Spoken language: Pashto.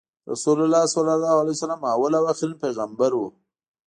رسول الله ص اولین او اخرین پیغمبر وو۔